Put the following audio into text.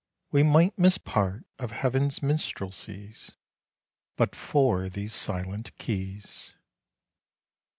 We might miss part of heaven's minstrelsies But for these silent keys.